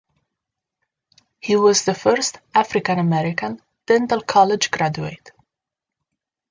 He was the first African-American dental college graduate.